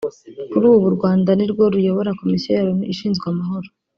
Kuri ubu u Rwanda nirwo ruyobora Komisiyo ya Loni ishinzwe Amahoro